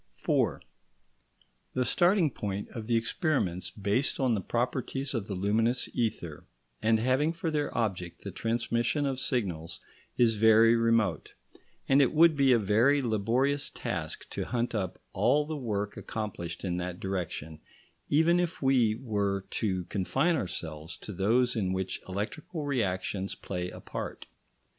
§ 4 The starting point of the experiments based on the properties of the luminous ether, and having for their object the transmission of signals, is very remote; and it would be a very laborious task to hunt up all the work accomplished in that direction, even if we were to confine ourselves to those in which electrical reactions play a part.